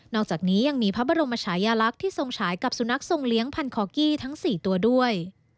อกจากนี้ยังมีพระบรมชายลักษณ์ที่ทรงฉายกับสุนัขทรงเลี้ยงพันคอกี้ทั้ง๔ตัวด้วย